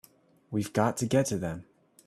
We've got to get to them!